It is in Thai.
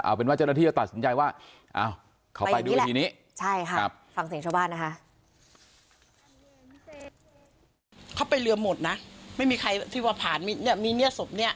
เอาเป็นว่าเจ้าหน้าที่จะตัดสังใจว่าก็ไปดูทีนี้